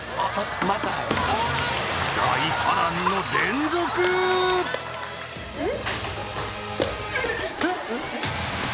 またや大波乱の連続えっ！